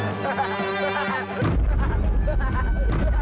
apa gak mau dua duanya